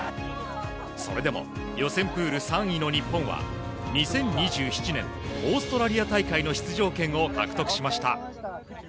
それでも予選プール３位の日本は２０２７年オーストラリア大会の出場権を獲得しました。